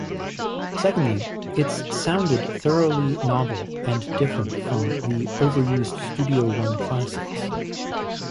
Secondly, its sounded thoroughly novel and different from the "overused Studio One classics".